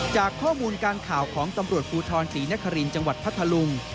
จากข้อมูลการข่าวของตำรวจภูทรศรีนครินทร์จังหวัดพัทธลุง